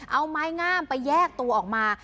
เอาไม้งามไปแยกตัวออกมา